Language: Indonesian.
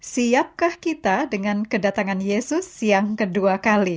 siapkah kita dengan kedatangan yesus yang kedua kali